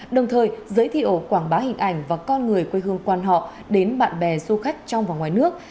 đồng thời giới thiệu quảng bá hình ảnh và con người quê hương quan họ đến bạn bè du khách trong và ngoài nước